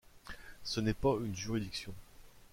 Ce n’est pas une juridiction.